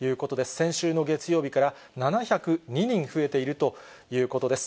先週の月曜日から７０２人増えているということです。